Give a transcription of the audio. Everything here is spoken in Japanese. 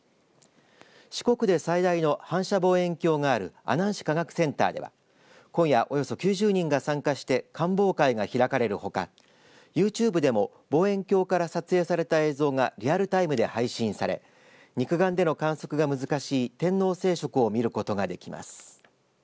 四国で最大の反射望遠鏡がある阿南市科学センターでは今夜、およそ９０人が参加して観望会が開かれるほかユーチューブでも望遠鏡から撮影された映像がリアルタイムで配信され肉眼での観測が難しい天王星食を見ることができます。